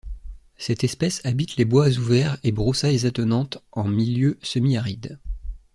Cette espèce habite les bois ouverts et broussailles attenantes en milieu semi-aride.